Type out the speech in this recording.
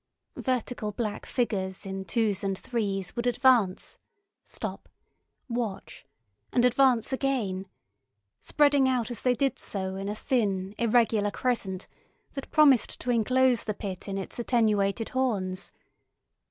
Vertical black figures in twos and threes would advance, stop, watch, and advance again, spreading out as they did so in a thin irregular crescent that promised to enclose the pit in its attenuated horns.